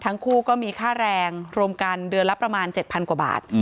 ทั้งคู่ก็มีค่าแรงรวมกันเดือนละประมาณ๗๐๐กว่าบาท